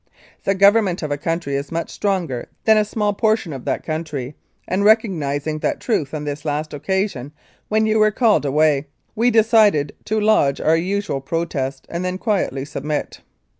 "The Government of a country is much stronger than a small portion of that country, and recognising that truth on this last occasion when you were called away, we decided to lodge our usual protest and then quietly submit.